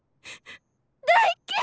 大っ嫌い！